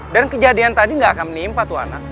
dan kejadian tadi gak akan menimpa tuhan